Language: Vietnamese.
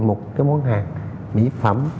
một cái món hàng mỹ phẩm